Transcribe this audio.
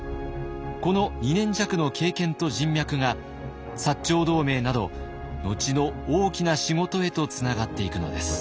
この２年弱の経験と人脈が長同盟など後の大きな仕事へとつながっていくのです。